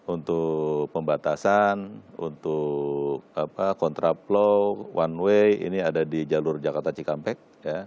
untuk pembatasan untuk kontraplow one way ini ada di jalur jakarta cikampek